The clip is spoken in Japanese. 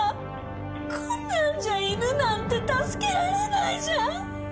こんなんじゃ犬なんて助けられないじゃん。